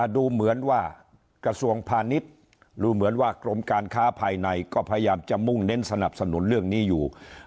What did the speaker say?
ดูเหมือนว่ากระทรวงพาณิชย์ดูเหมือนว่ากรมการค้าภายในก็พยายามจะมุ่งเน้นสนับสนุนเรื่องนี้อยู่